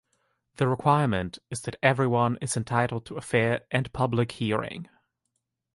The requirement is that "everyone is entitled to a fair and public hearing".